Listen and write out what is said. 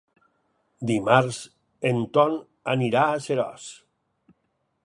Dimarts en Ton anirà a Seròs.